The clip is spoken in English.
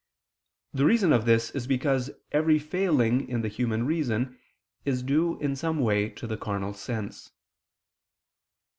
The reason of this is because every failing in the human reason is due in some way to the carnal sense.